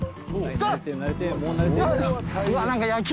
慣れてもう慣れて。